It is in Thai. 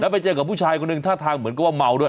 ไปเจอกับผู้ชายคนหนึ่งท่าทางเหมือนกับว่าเมาด้วย